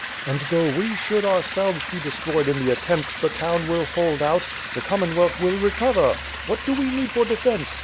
"And though we should ourselves be destroyed in the attempt, the town will hold out, the Commonwealth will re cover! What do we need for defence?